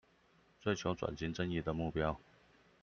追求轉型正義的目標